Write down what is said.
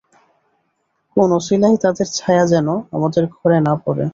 কোন অছিলায় তাদের ছায়া যেন আমাদের ঘরে না পড়ে।